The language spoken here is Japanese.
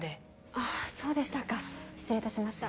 ああそうでしたか失礼いたしました。